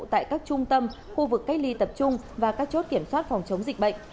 tại các trung tâm khu vực cách ly tập trung và các chốt kiểm soát phòng chống dịch bệnh